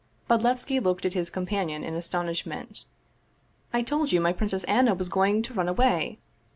" Bodlevski looked at his companion in astonishment. " I told you my Princess Anna was going to run away.